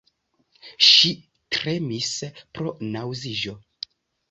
Ŝi tremis pro naŭziĝo.